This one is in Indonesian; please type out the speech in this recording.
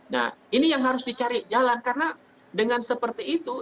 nah ini yang harus dicari jalan karena dengan seperti itu